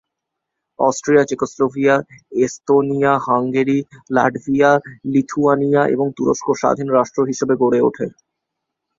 Austria, Czechoslovakia, Estonia, Hungary, Latvia, Lithuania এবং তুরস্ক স্বাধীন রাষ্ট্র হিসেবে গড়ে ওঠে।